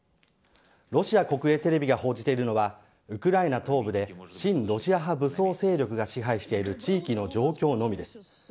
ロシア国営テレビが報じているのはウクライナ東部で親ロシア派武装勢力が支配している地域の状況のみです。